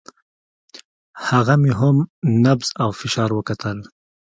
هغه مې هم نبض او فشار وکتل.